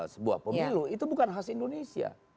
sebuah pemilu itu bukan khas indonesia